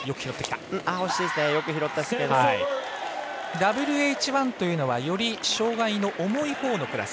ＷＨ１というのはより障がいの重いほうのクラス。